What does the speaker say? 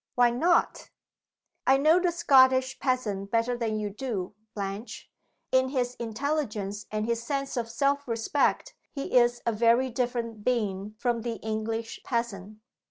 "Why not?" "I know the Scottish peasant better than you do, Blanche. In his intelligence and his sense of self respect he is a very different being from the English peasant.